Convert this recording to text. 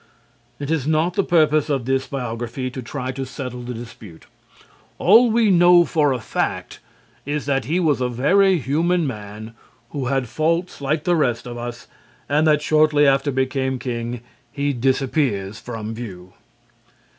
It is not the purpose of this biography to try to settle the dispute. All we know for a fact is that he was a very human man who had faults like the rest of us and that shortly after becoming king he disappears from view.